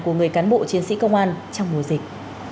của người cán bộ chiến sĩ công an trong mùa dịch